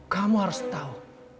kamu harus tahu